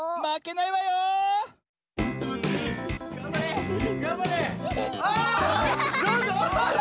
なんだ⁉